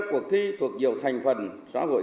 cuộc thi thuộc nhiều thành phần xã hội